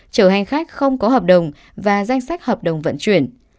chở hành khách không có hợp đồng và danh sách hợp đồng vận chuyển